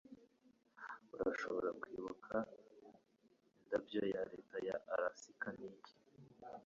Urashobora Kwibuka Indabyo ya Leta ya Alaska Niki?